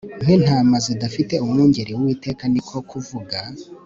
nkintama zidafite umwungeri Uwiteka ni ko kuvuga